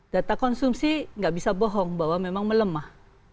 data konsumsi nggak bisa bohong bahwa memang melemah